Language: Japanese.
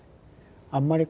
あんまり